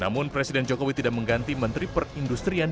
namun presiden jokowi tidak mengganti menteri perindustrian